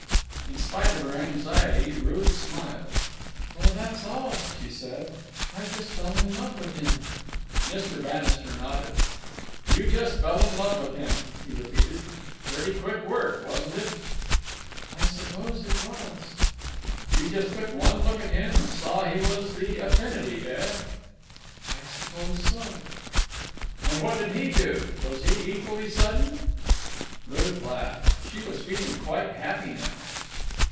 In spite of her anxiety, Ruth smiled. "Well, that's all," she said. "I just fell in love with him." Mr. Bannister nodded. "You just fell in love with him," he repeated. "Pretty quick work, wasn't it?" "I suppose it was." "You just took one look at him and saw he was the affinity, eh?" "I suppose so." "And what did he do? Was he equally sudden?" Ruth laughed. She was feeling quite happy now.